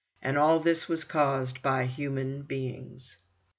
And all this was caused by human beings!